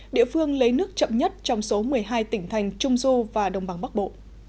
địa phương lấy nước chậm nhất trong số một mươi hai tỉnh thành trung du và đồng bằng bắc bộ